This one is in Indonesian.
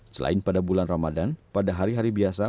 selain pada bulan ramadan pada hari hari biasa